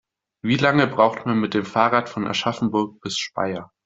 Wie lange braucht man mit dem Fahrrad von Aschaffenburg bis Speyer?